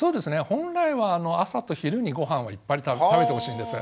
本来は朝と昼にごはんをいっぱい食べてほしいんです。